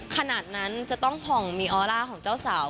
ขนาดนั้นจะต้องผ่องมีออร่าของเจ้าสาว